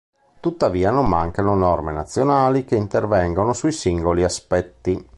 Tuttavia non mancano norme nazionali che intervengono sui singoli aspetti.